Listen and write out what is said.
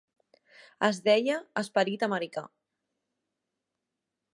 Es deia "Esperit americà".